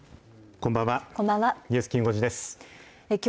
こんばんは。